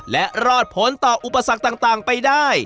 และรอดผลต่ออุปสรรคต่างไปได้